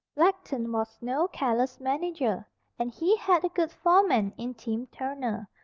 Blackton was no careless manager, and he had a good foreman in Tim Turner.